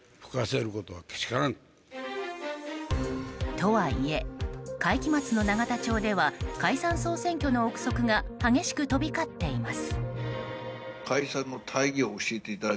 とはいえ会期末の永田町では解散・総選挙の憶測が激しく飛び交っています。